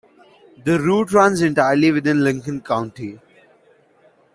The route runs entirely within Lincoln County.